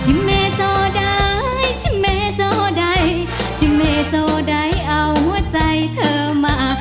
ชิเมเจ้าใดชิเมเจ้าใดชิเมเจ้าใดเอาหัวใจเธอมา